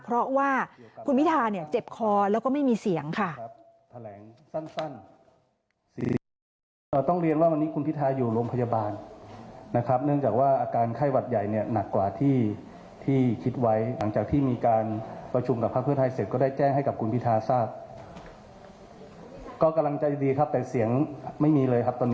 เพราะว่าคุณพิธาเนี่ยเจ็บคอแล้วก็ไม่มีเสียงค่ะ